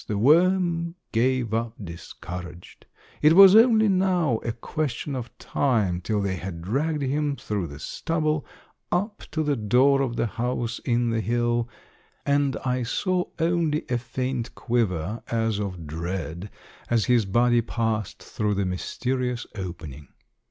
The worm gave up discouraged; it was only now a question of time till they had dragged him through the stubble up to the door of the house in the hill, and I saw only a faint quiver as of dread as his body passed through the mysterious opening.